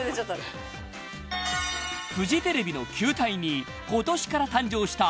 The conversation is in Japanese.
［フジテレビの球体に今年から誕生した］